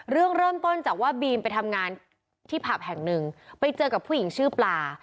เริ่มต้นจากว่าบีมไปทำงานที่ผับแห่งหนึ่งไปเจอกับผู้หญิงชื่อปลา